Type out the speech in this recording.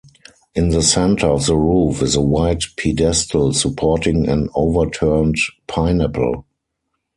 In the center of the roof is a white pedestal supporting an overturned pineapple.